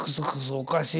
おかしい